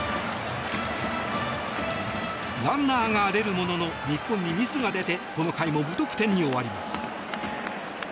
ランナーが出るものの日本にミスが出てこの回も無得点に終わります。